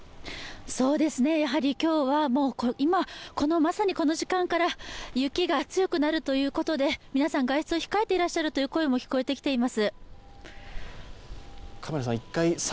今日は今、このまさにこの時間から雪が強くなるということで皆さん、外出を控えていらっしゃるという声も聞こえてきています。